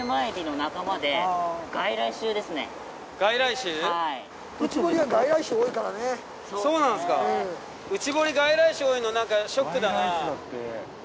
内堀外来種多いのなんかショックだな。